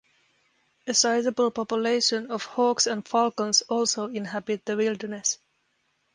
A sizeable population of hawks and falcons also inhabit the wilderness.